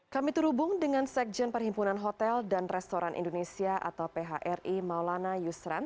kami terhubung dengan sekjen perhimpunan hotel dan restoran indonesia atau phri maulana yusran